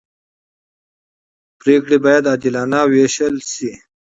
پرېکړې باید عادلانه وېشل شي